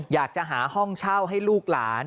อยากจะหาห้องเช่าให้ลูกหลาน